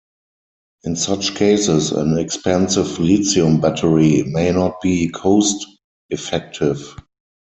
In such cases, an expensive lithium battery may not be cost-effective.